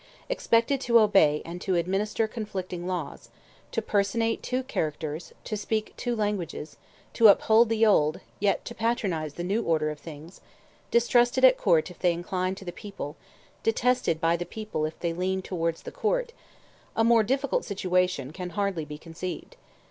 Expected to obey and to administer conflicting laws, to personate two characters, to speak two languages, to uphold the old, yet to patronize the new order of things; distrusted at Court if they inclined to the people, detested by the people if they leaned towards the Court—a more difficult situation can hardly be conceived.